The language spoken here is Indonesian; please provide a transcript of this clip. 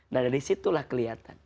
nah dari situlah keliatan